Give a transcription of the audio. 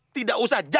tidak usah jauh